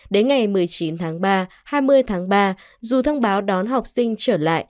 đến ngày một mươi chín tháng ba hai mươi tháng ba dù thông báo đón học sinh trở lại